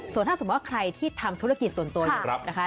หรือว่าใครที่ทำธุรกิจส่วนตัวอย่างนะคะ